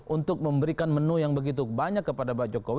untuk memberikan menu yang begitu banyak kepada pak jokowi